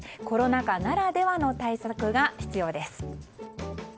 コロナ禍ならではの対策が必要です。